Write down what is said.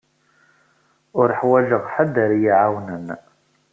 Uḥwaǧeɣ ḥedd ara yi-iɛawnen.